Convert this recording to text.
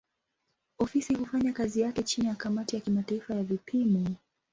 Ofisi hufanya kazi yake chini ya kamati ya kimataifa ya vipimo.